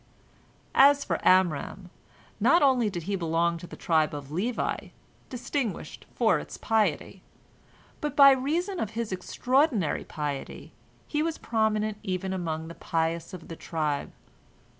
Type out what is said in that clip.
As for Amram, not only did he belong to the tribe of Levi, distinguished for its piety, but by reason of his extraordinary piety he was prominent even among the pious of the tribe.